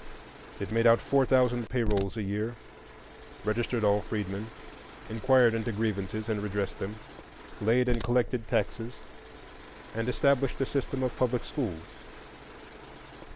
It made out four thousand pay rolls a year, registered all freedmen, inquired into grievances and redressed them, laid and collected taxes, and established a system of public schools.